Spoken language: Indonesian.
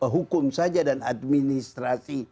hukum saja dan administrasi